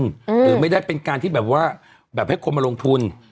หรือไม่ได้เป็นการที่แบบว่าแบบให้คนมาลงทุน